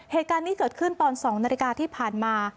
เหตุการณ์นี้เกิดขึ้นตอน๒นาฬิกาที่ผ่านมา